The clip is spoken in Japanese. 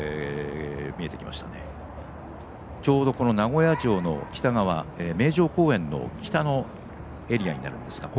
名古屋城の北側名城公園の北のエリアにあります